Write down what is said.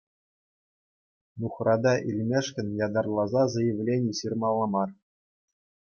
Нухрата илмешкӗн ятарласа заявлени ҫырмалла мар.